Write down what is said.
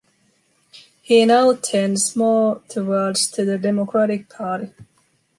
He now tends more towards to the Democratic Party.